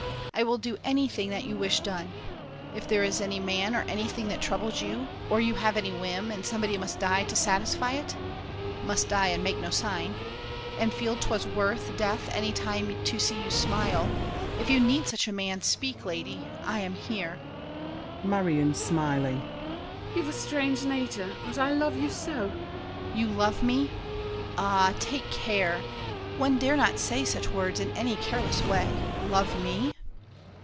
I will do anything that you wish done. If there is any man or anything That troubles you, or you have any whim And somebody must die to satisfy it— Must die, and make no sign—and feel 'twas worth Death any time to see you smile; if you Need such a man, speak, lady: I am here! MARION (smiling). You've a strange nature, but I love you so! DIDIER. You love me! Ah, take care! One dare not say Such words in any careless way! Love me?